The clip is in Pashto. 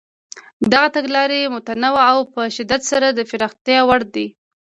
دغه تګلارې متنوع او په شدت سره د پراختیا وړ دي.